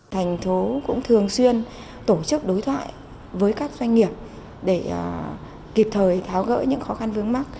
thành phố cũng thường xuyên tổ chức đối thoại với các doanh nghiệp để kịp thời tháo gỡ những khó khăn vướng mắt